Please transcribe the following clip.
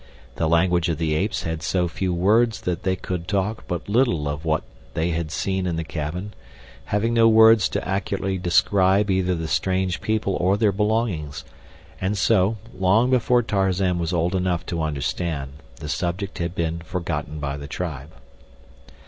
The language of the apes had so few words that they could talk but little of what they had seen in the cabin, having no words to accurately describe either the strange people or their belongings, and so, long before Tarzan was old enough to understand, the subject had been forgotten by the tribe.